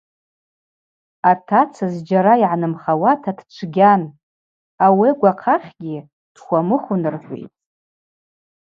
Атаца зджьара йгӏанымхауата дчвгьан, ауи агвахъахьгьи дхвамыхвын – рхӏвитӏ.